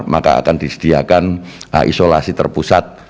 maka akan disediakan isolasi terpusat